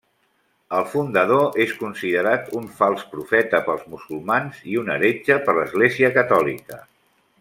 El fundador és considerat un fals profeta pels musulmans i un heretge per l'Església catòlica.